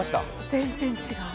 全然違う。